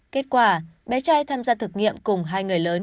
kết quả bé trai tham gia thực nghiệm cùng hai người lớn